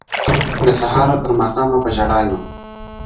له سهاره تر ماښامه په ژړا یو-